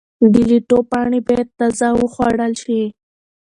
د لیټو پاڼې باید تازه وخوړل شي.